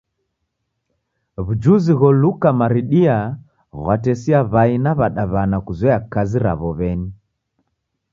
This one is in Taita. W'ujuzi gholuka maridia ghwatesiaa w'ai na w'adaw'ana kuzoya kazi raw'o w'eni.